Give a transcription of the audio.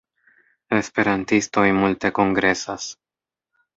Esperantistoj multe kongresas.